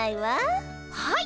はい。